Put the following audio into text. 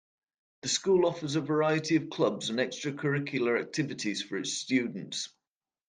The school offers a variety of clubs and extra curricular activities for its students.